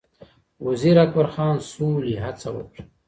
وزیر اکبرخان سولې هڅه وکړه